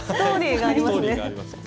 ストーリーがありますね。